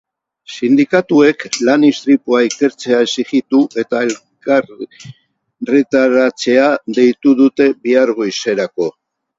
Sindikatuek lan-istripua ikertzea exijitu eta elkarretaratzea deitu dute bihar goizerako.